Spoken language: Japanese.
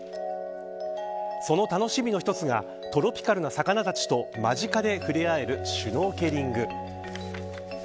その楽しみの一つがトロピカルな魚たちと間近で触れ合えるシュノーケリング。